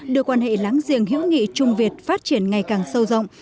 đưa quan hệ láng giềng hữu nghị trung việt phát triển ngày càng sâu rộng